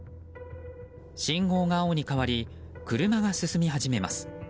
信号が青に変わり車が進み始めます。